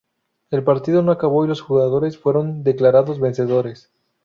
El partido no acabó y los dos jugadores fueron declarados vencedores.